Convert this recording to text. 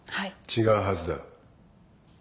違うはずだ。